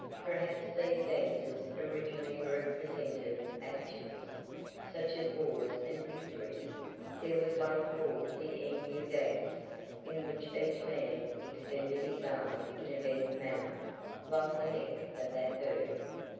Perhaps these dances originally represented actions, such as wars and victories; there was one called the Emu dance, in which each man extended his arm in a bent manner, like the neck of that bird.